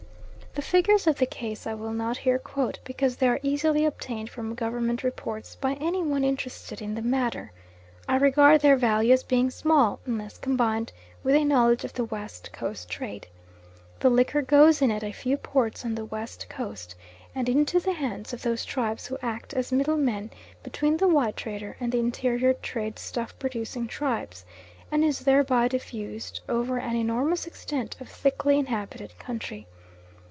The figures of the case I will not here quote because they are easily obtainable from Government reports by any one interested in the matter. I regard their value as being small unless combined with a knowledge of the West Coast trade. The liquor goes in at a few ports on the West Coast, and into the hands of those tribes who act as middlemen between the white trader and the interior trade stuff producing tribes; and is thereby diffused over an enormous extent of thickly inhabited country.